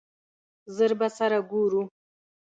ژر به سره ګورو !